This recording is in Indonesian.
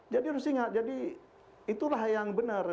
jadi harus ingat itulah yang benar